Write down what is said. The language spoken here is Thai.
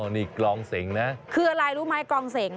นี่กลองเสงนะคืออะไรรู้ไหมกลองเสง